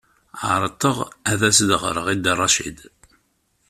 Ɛerḍeɣ ad as-ɣreɣ i Dda Racid.